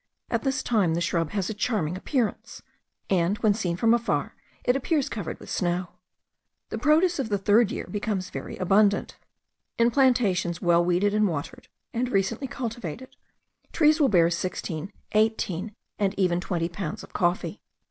At this time the shrub has a charming appearance; and, when seen from afar, it appears covered with snow. The produce of the third year becomes very abundant. In plantations well weeded and watered, and recently cultivated, trees will bear sixteen, eighteen, and even twenty pounds of coffee.